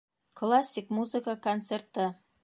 Классик музыка концерты